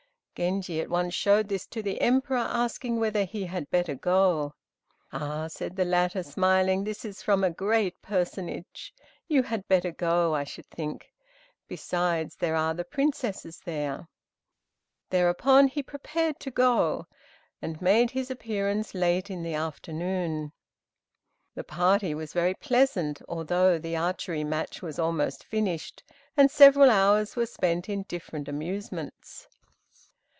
Genji at once showed this to the Emperor, asking whether he had better go. "Ah!" said the latter, smiling, "This is from a great personage. You had better go, I should think; besides there are the Princesses there." Thereupon he prepared to go, and made his appearance late in the afternoon. The party was very pleasant, although the archery match was almost finished, and several hours were spent in different amusements.